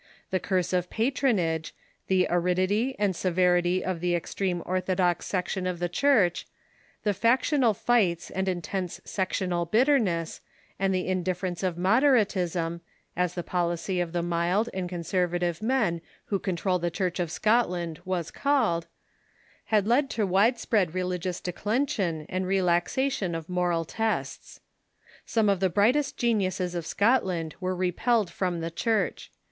The curse of patronage, the aridity and severity of the extreme ortho ^M» HlMLnrf ' f^ox section of the Church, the factional fights the Haldanes ___'^and intense sectional bitterness, and the indif ference of Moderatism (as the policy of the mild and con servative men who controlled the Church of Scotland was called) had led to wide spread religious declension and rel axation of moral tests. Some of the brightest geniuses of Scotland were repelled from the Church.